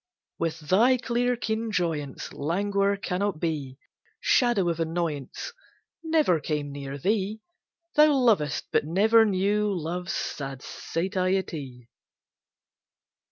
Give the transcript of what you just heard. With thy clear keen joyance Languor cannot be: Shadow of annoyance Never came near thee: Thou lovest, but ne'er knew love's sad satiety.